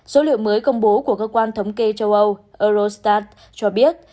số liệu mới công bố của cơ quan thống kê châu âu eurostat cho biết